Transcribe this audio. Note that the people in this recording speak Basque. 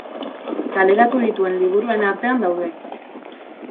Kaleratu dituen liburuen artean daude.